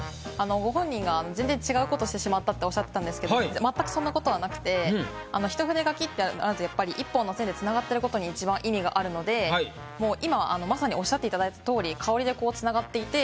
ご本人が全然違うことをしてしまったっておっしゃってたんですけどまったくそんなことなくて一筆書きって１本の線で繋がってることに一番意味があるので今まさにおっしゃっていただいたとおり。